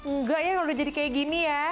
enggak ya kalau udah jadi kayak gini ya